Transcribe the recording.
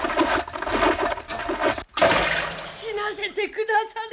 死なせてくだされ！